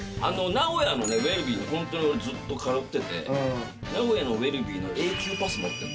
名古屋のウェルビーに本当に俺、ずっと通ってて、名古屋のウェルビーの永久パス持ってる。